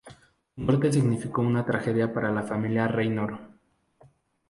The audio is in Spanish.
Su muerte significó una tragedia para la familia Renoir.